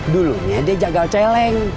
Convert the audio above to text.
dulunya dia jagal celeng